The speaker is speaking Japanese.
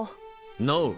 ノー！